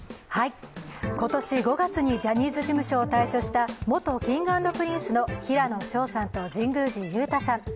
今年５月にジャニーズ事務所を退所した元Ｋｉｎｇ＆Ｐｒｉｎｃｅの平野紫耀さんと神宮寺勇太さん。